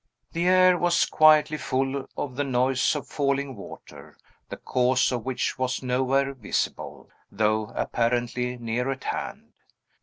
The air was quietly full of the noise of falling water, the cause of which was nowhere visible, though apparently near at hand.